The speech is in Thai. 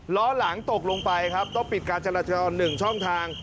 ล้อหลังตกลงไปครับต้องปิดการจราจร๑ช่องทาง